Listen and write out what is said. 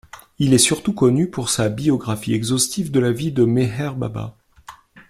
Il est surtout connu pour sa biographie exhaustive de la vie de Meher Baba.